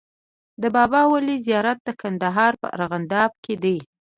د بابا ولي زيارت د کندهار په ارغنداب کی دی